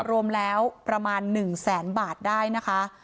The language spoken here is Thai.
รวมแล้วประมาณ๑แสนบาทได้นะคะ